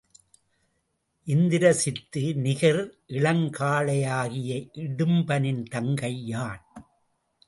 இந்திரசித்து நிகர் இளங்காளையாகிய இடிம்பனின் தங்கை யான்!